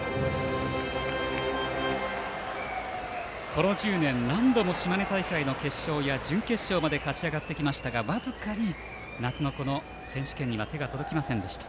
この１０年何度も島根大会の決勝や準決勝まで勝ち上がってきましたが僅かに夏のこの選手権には手が届きませんでした。